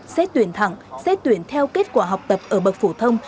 xét tuyển thẳng xét tuyển theo kết quả học tập ở bậc phổ thông